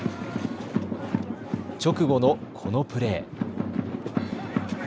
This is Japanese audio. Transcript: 直後のこのプレー。